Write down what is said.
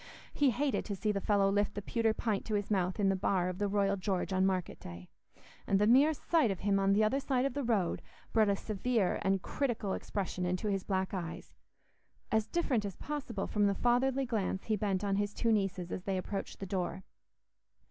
He hated to see the fellow lift the pewter pint to his mouth in the bar of the Royal George on market day, and the mere sight of him on the other side of the road brought a severe and critical expression into his black eyes, as different as possible from the fatherly glance he bent on his two nieces as they approached the door.